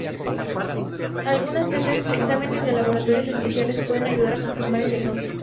Algunas veces, exámenes de laboratorio especiales pueden ayudar a confirmar el diagnóstico.